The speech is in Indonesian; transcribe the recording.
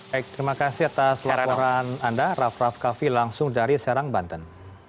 baik terima kasih atas laporan anda raff raff kaffi langsung dari serang banten